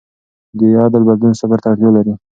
د عادت بدلون صبر ته اړتیا لري.